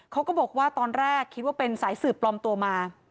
เขาก็บอกว่าตอนแรกคิดว่าเป็นสายสืบปลอมตัวมา